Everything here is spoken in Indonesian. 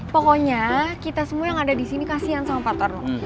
pokoknya kita semua yang ada di sini kasian sama pak torno